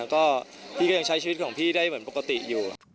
ก็พี่ก็ยังใช้ชีวิตของพี่ได้เหมือนปกติอยู่